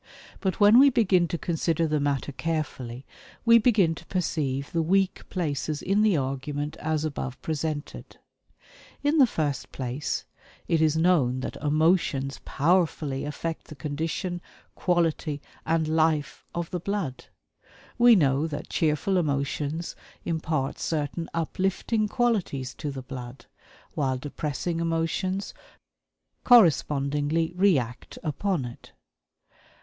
But when we begin to consider the matter carefully, we begin to perceive the weak places in the argument as above presented. In the first place, it is known that emotions powerfully affect the condition, quality, and "life" of the blood. We know that cheerful emotions impart certain uplifting qualities to the blood, while depressing emotions correspondingly react upon it.